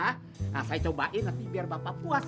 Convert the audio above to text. nah saya cobain nanti biar bapak puas